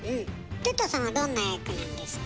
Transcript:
哲太さんはどんな役なんですか？